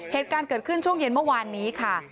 เหตุการณ์เกิดขึ้นช่วงเย็นเมื่อวานนี้ค่ะ